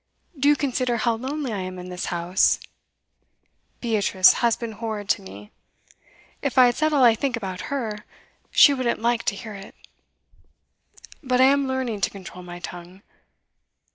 Do consider how lonely I am in this house. Beatrice has been horrid to me. If I said all I think about her, she wouldn't like to hear it; but I am learning to control my tongue.